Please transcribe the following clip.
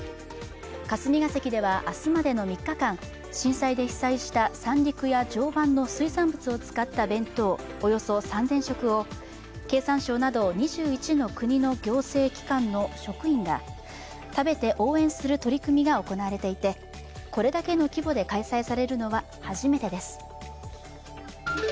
霞が関では、明日までの３日間震災で被災した三陸や常磐の水産物を使った弁当、およそ３０００食を経産省など２１の国の行政機関の職員が食べて応援する取り組みが行われていてこれだけの規模で開催されるのは初めてです。